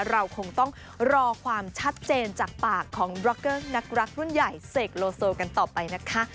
เราคงต้องรอความชัดเจนจากปากของบล็อกเกอร์นักรักรุ่นใหญ่เสกโลโซกันต่อไปนะคะ